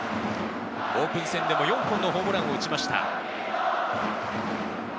オープン戦でも４本のホームランを打ちました。